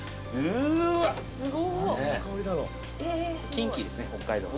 キンキですね北海道の。